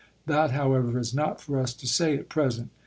That, how ever, is not for us to say at present.